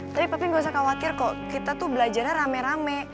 tapi tapi nggak usah khawatir kok kita tuh belajarnya rame rame